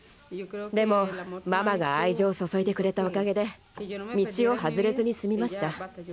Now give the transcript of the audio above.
でもママが愛情を注いでくれたおかげで道を外れずに済みました。